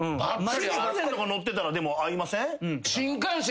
新幹線とか乗ってたらでも会いません？